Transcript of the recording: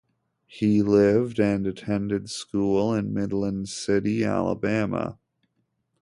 He lived and attended school in Midland City, Alabama.